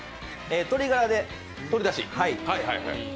鶏ガラで。